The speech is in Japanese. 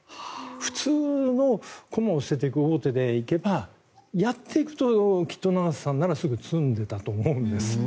普通の駒を捨てていく王手で行けばやっていくときっと永瀬さんならすぐに詰んでいたと思うんです。